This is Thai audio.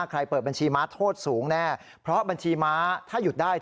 เปิดบัญชีม้าโทษสูงแน่เพราะบัญชีม้าถ้าหยุดได้